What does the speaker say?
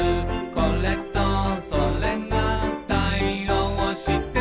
「これとそれが対応してる」